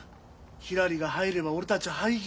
ひらりが入れば俺たちゃ廃業。